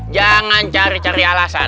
jangan cari cari alasan